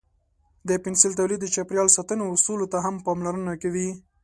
د پنسل تولید د چاپیریال ساتنې اصولو ته هم پاملرنه کوي.